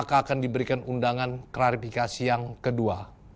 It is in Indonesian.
pada saat ini akan diberikan undangan klarifikasi yang kedua